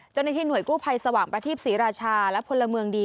เจ้าหน้าที่หน่วยกู้ภัยสว่างประทีปศรีราชาและพลเมืองดี